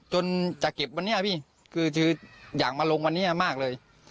จะเก็บวันนี้พี่คืออยากมาลงวันนี้มากเลย